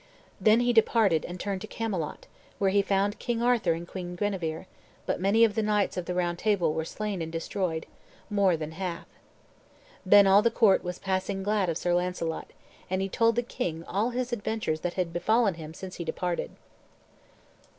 Then he departed, and turned to Camelot, where he found King Arthur and Queen Guenever; but many of the knights of the Round Table were slain and destroyed, more than half. Then all the court was passing glad of Sir Launcelot; and he told the king all his adventures that had befallen him since he departed.